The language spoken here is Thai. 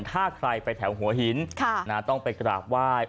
ถ้าใครไปแถวหัวหินต้องไปกราบไหว้